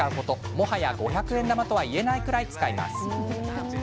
もはや５００円玉とは言えないくらい使います。